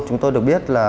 chúng tôi được biết là